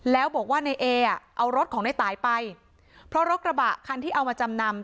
แล้วบอกว่าในเออ่ะเอารถของในตายไปเพราะรถกระบะคันที่เอามาจำนำ